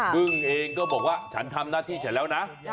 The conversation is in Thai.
บึ้งเองก็บอกว่าฉันทำหน้าที่ฉันแล้วนะ